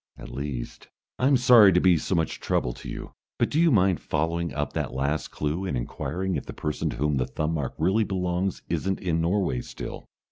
At least . I'm sorry to be so much trouble to you, but do you mind following up that last clue and inquiring if the person to whom the thumb mark really belongs isn't in Norway still?"